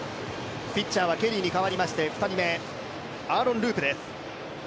ピッチャーはケリーに代わりまして、２人目、アーロン・ループです。